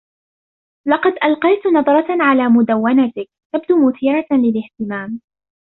لقد ألقيت نظرة على مدونتك - تبدو مثيرة للإهتمام.